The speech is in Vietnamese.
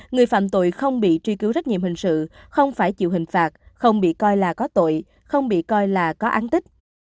người phạm tội không bị truy cứu trách nhiệm hình sự không phải chịu hình phạt không bị coi là có tội không bị coi là có án tích